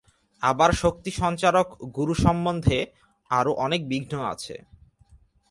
আবার শক্তিসঞ্চারক গুরুসম্বন্ধে আরও অনেক বিঘ্ন আছে।